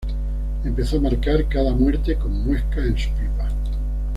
Empezó a marcar cada muerte con muescas en su pipa.